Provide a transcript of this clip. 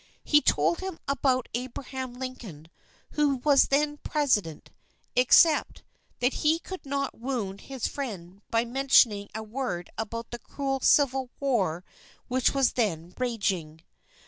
He told him about Abraham Lincoln, who was then President except that he could not wound his friend by mentioning a word about the cruel Civil War which was then raging.